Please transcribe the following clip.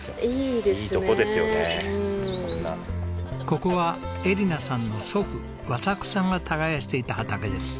ここは恵梨奈さんの祖父和作さんが耕していた畑です。